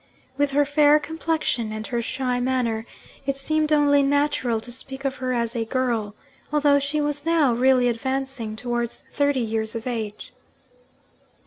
With her fair complexion and her shy manner, it seemed only natural to speak of her as 'a girl,' although she was now really advancing towards thirty years of age.